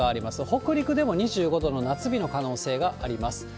北陸でも２５度の夏日の可能性があります。